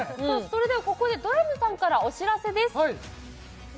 それではここでドラムさんからお知らせです